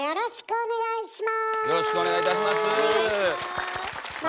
お願いします。